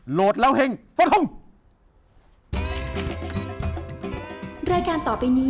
โหลดแล้วเฮ่งสวัสดีครับ